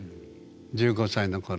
１５歳の頃。